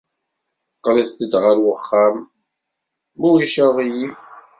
Qqlet-d ɣer uxxam, ma ulac aɣilif.